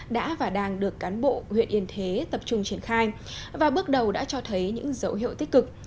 đã và đang được cán bộ huyện yên thế tập trung triển khai và bước đầu đã cho thấy những dấu hiệu tích cực